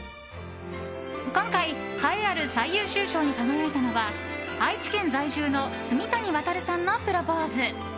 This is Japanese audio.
今回、栄えある最優秀賞に輝いたのは愛知県在住の住谷渉さんのプロポーズ。